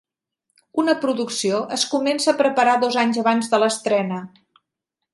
Una producció es comença a preparar dos anys abans de l'estrena.